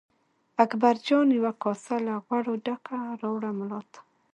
اکبرجان یوه کاسه له غوړو ډکه راوړه ملا ته.